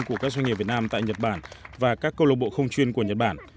của các doanh nghiệp việt nam tại nhật bản và các câu lộc bộ không chuyên của nhật bản